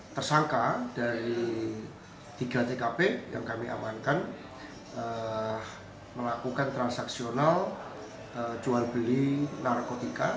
tersangka dari tiga tkp yang kami amankan melakukan transaksional jual beli narkotika